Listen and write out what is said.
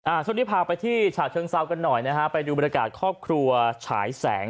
ช่วงนี้พาไปที่ฉะเชิงเซากันหน่อยนะฮะไปดูบรรยากาศครอบครัวฉายแสง